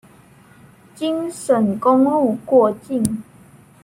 京沈公路过境。